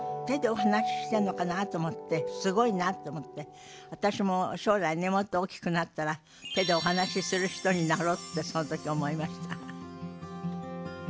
手でお話ししてんのかなと思ってすごいなと思って私も将来ねもっと大きくなったら手でお話しする人になろうってその時思いました。